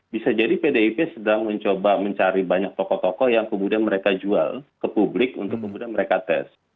bisa jadi pdip sedang mencoba mencari banyak tokoh tokoh yang kemudian mereka jual ke publik untuk kemudian mereka tes